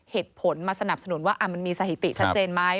เหตุผลมาสนับสนุนว่ามันมีสถิติชัดเจนไหม